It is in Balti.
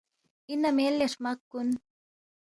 اِنا مین لے ہرمق کُن؟“